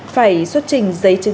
phải xuất trình giấy chứng